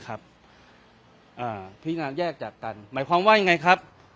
นะครับอ่าพิจารณาแยกจากกันหมายความว่ายังไงครับ